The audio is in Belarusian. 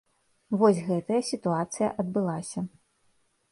Вось гэтая сітуацыя адбылася.